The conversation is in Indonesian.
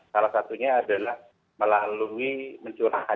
salah satunya adalah melalui mencurahkan